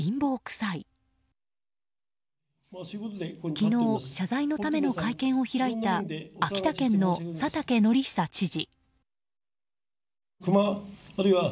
昨日謝罪のための会見を開いた秋田県の佐竹敬久知事。